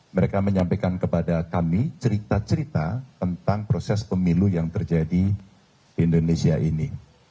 mereka menyampaikan kepada kami cerita cerita tentang proses pemilu yang terjadi di indonesia ini